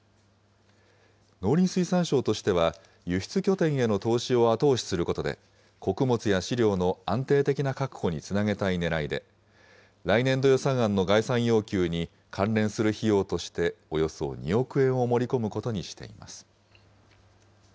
農林水産省としては、輸出拠点への投資を後押しすることで、穀物や飼料の安定的な確保につなげたいねらいで、来年度予算案の概算要求に関連する費用としておよそ２億円を盛り込むことにしています。